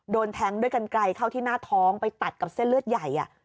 โดนแทงด้วยกันไกลเข้าที่หน้าท้องไปตัดกับเส้นเลือดใหญ่